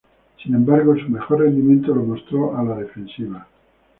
Sin embargo, su mejor rendimiento lo mostró a la defensiva.